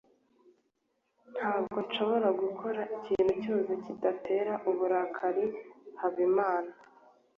ntabwo nshobora gukora ikintu cyose kidatera uburakari habimana